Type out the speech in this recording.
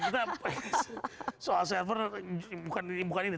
karena soal server bukan ini